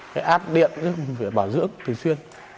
cái áp điện mình phải bảo dưỡng thường xuyên